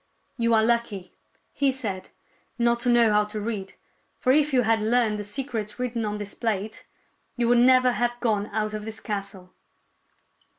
" You are lucky," he said, " not to know how to read. For if you had learned the secrets written on this plate, you would never have gone out of this castle."